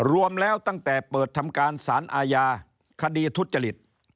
รวมแล้วตั้งแต่เปิดทำการสารอาญาคดีทุจริต